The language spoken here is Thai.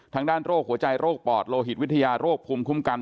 โรคหัวใจโรคปอดโลหิตวิทยาโรคภูมิคุ้มกัน